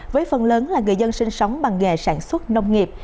với phần lớn là người dân sinh sống bằng nghề sản xuất nông nghiệp